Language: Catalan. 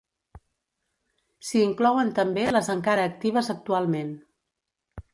S'hi inclouen també les encara actives actualment.